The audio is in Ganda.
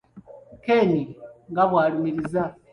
Ken nga bw'alumiriza.